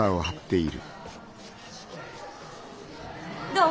どう？